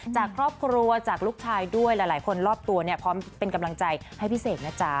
จากครอบครัวจากลูกชายด้วยหลายคนรอบตัวเนี่ยพร้อมเป็นกำลังใจให้พี่เสกนะจ๊ะ